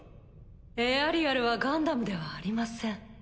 エアリアルはガンダムではありません。